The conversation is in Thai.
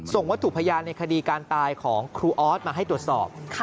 วัตถุพยานในคดีการตายของครูออสมาให้ตรวจสอบ